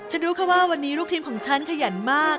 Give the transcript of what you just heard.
รู้แค่ว่าวันนี้ลูกทีมของฉันขยันมาก